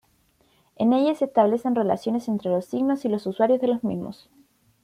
En ella se establecen relaciones entre los signos y los usuarios de los mismos.